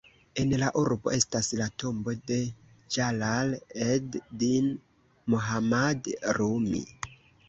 En la urbo estas la tombo de Ĝalal-ed-din Mohammad Rumi.